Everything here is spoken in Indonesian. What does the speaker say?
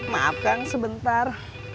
maaf kang sebentar